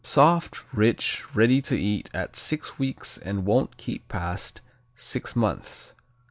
Soft; rich; ready to eat at six weeks and won't keep past six months.